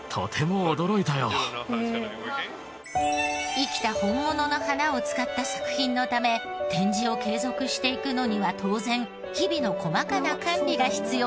生きた本物の花を使った作品のため展示を継続していくのには当然日々の細かな管理が必要となります。